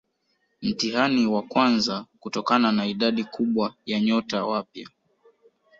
Mtihani wa kwanza kutokana na idadi kubwa ya nyota wapya